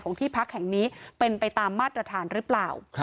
ที่พักแห่งนี้เป็นไปตามมาตรฐานหรือเปล่า